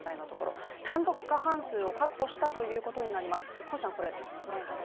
単独過半数を確保したことになります。